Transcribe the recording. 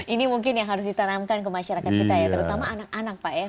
ini mungkin yang harus ditanamkan ke masyarakat kita ya terutama anak anak pak ya